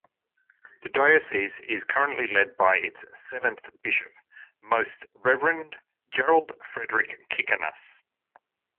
The diocese is currently led by its seventh bishop, Most Reverend Gerald Frederick Kicanas.